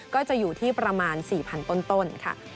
ก็จะอยู่ที่ประมาณ๔๐๐๐ต้นค่ะ